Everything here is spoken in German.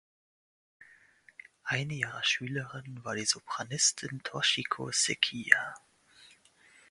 Eine ihrer Schülerinnen war die Sopranistin Toshiko Sekiya.